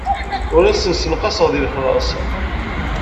Ur asen-ssenqaseɣ deg lexlaṣ.